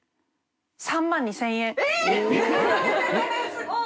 すごい。